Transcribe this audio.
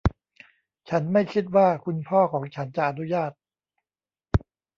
ฉันไม่คิดว่าคุณพ่อของฉันจะอนุญาต